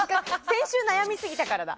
先週、悩みすぎたからだ。